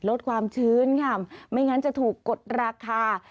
ลดความชื้นค่ะไม่งั้นจะถูกกดราคา